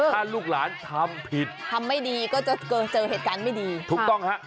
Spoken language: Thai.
ถ้าลูกหลานทำผิดทำไม่ดีก็จะเจอเหตุการณ์ไม่ดีถูกต้องฮะ